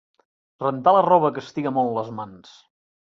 Rentar la roba castiga molt les mans.